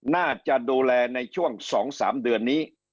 น่าจะดูแลในช่วง๒๓เดือนนี้